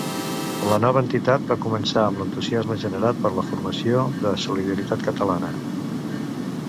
La nova entitat va començar amb l'entusiasme generat per la formació de Solidaritat Catalana.